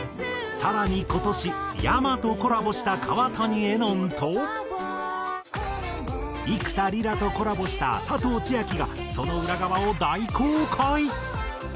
更に今年ｙａｍａとコラボした川谷絵音と幾田りらとコラボした佐藤千亜妃がその裏側を大公開。